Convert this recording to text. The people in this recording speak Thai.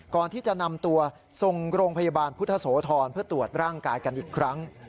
ก่อนที่จะนำตัวส่งโรงพยาบาลพุทธโสธรเพื่อตรวจร่างกายกันอีกครั้ง